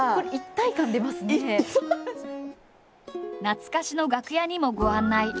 懐かしの楽屋にもご案内。